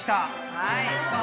はい。